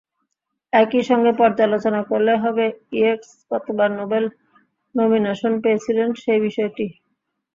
একই সঙ্গে পর্যালোচনা করতে হবে ইয়েটস কতবার নোবেল নমিনেশন পেয়েছিলেন সেই বিষয়টি।